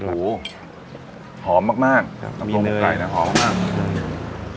หูหอมมากมากครับมีเนยต้มไก่เนี้ยหอมมากใช่